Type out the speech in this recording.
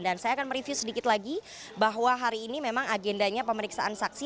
dan saya akan mereview sedikit lagi bahwa hari ini memang agendanya pemeriksaan saksi